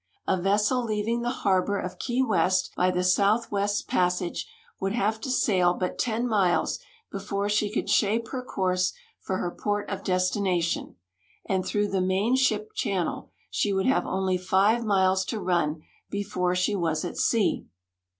A vessel leaving the harbor of Key West by the southwest passage would have to sail but 10 miles before she could shape her course for her port of destination, and through the main ship channel she would have only five miles to run l)efore she was at sea.